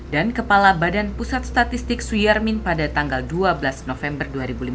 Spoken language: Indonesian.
kepala badan pusat statistik suyarmin pada tanggal dua belas november dua ribu lima belas